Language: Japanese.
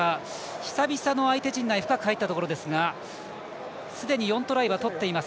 久々の相手陣内深く入ったところですがすでに４トライはとっています。